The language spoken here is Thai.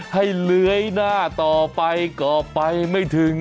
เลื้อยหน้าต่อไปก็ไปไม่ถึง